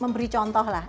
memberi contoh lah